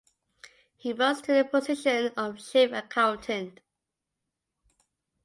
He rose to the position of chief accountant.